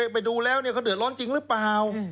ไปดูแล้วเขาเดือดร้อนจริงหรือเปล่า